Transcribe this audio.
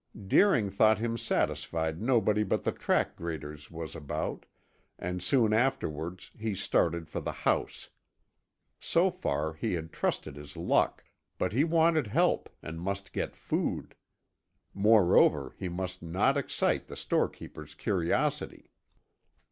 Deering thought him satisfied nobody but the track graders was about, and soon afterwards he started for the house. So far, he had trusted his luck, but he wanted help and must get food. Moreover, he must not excite the storekeeper's curiosity.